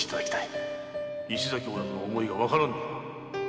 〔石崎親子の思いがわからぬのか〕